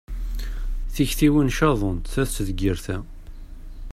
Tiktiwin caḍent, ta tettdeggir ta.